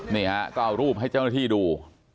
นี่ฮะก็เอารูปให้เจ้าหน้าที่ดู